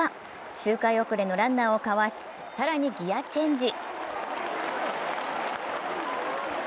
周回遅れのランナーをかわし、更にギヤチェンジ。